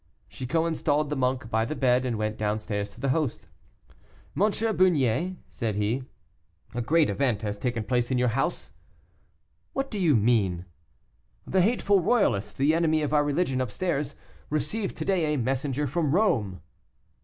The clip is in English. Chicot installed the monk by the bed, and went downstairs to the host. "M. Bernouillet," said he, "a great event has taken place in your house." "What do you mean?" "The hateful royalist, the enemy of our religion upstairs, received to day a messenger from Rome."